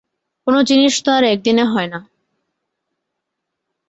কোন জিনিষ তো আর একদিনে হয় না।